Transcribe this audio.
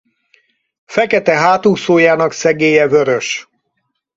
Fekete hátúszójának szegélye vörös.